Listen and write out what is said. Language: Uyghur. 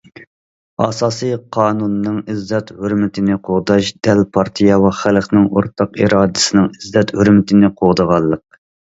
ئاساسىي قانۇننىڭ ئىززەت- ھۆرمىتىنى قوغداش دەل پارتىيە ۋە خەلقنىڭ ئورتاق ئىرادىسىنىڭ ئىززەت- ھۆرمىتىنى قوغدىغانلىق.